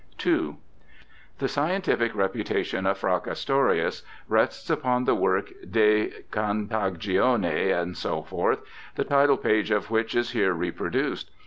II The scientific reputation of Fracastorius rests upon the work De Contagione^ &c., the title page of which is here reproduced.